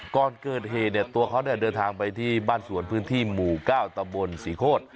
ก่อนเกิดเหตุเนี่ยตัวเขาเนี่ยเดินทางไปที่บ้านสวนพื้นที่หมู่๙ตำบลศรีโคตร